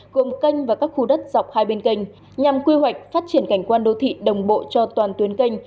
gồm kênh và các khu đất dọc hai bên kênh nhằm quy hoạch phát triển cảnh quan đô thị đồng bộ cho toàn tuyến kênh